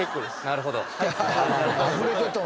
なるほど。